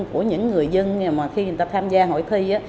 của những người dân mà khi người ta tham gia hội thi á